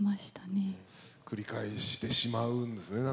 繰り返してしまうんですね。